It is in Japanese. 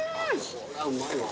これはうまいわ。